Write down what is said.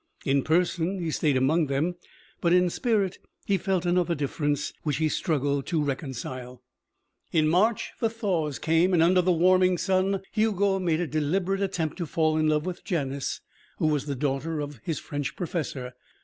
In person he stayed among them, but in spirit he felt another difference, which he struggled to reconcile. In March the thaws came, and under the warming sun Hugo made a deliberate attempt to fall in love with Janice, who was the daughter of his French professor.